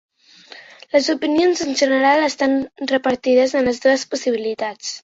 Les opinions en general estan repartides en les dues possibilitats.